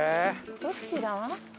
どっちだ？